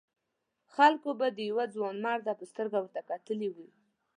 خلکو به د یوه ځوانمرد په سترګه ورته کتلي وي.